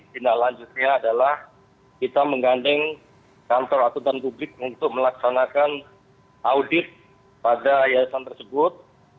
tindak lanjutnya adalah kita menggandeng kantor akutan publik untuk melaksanakan audit pada yayasan tersebut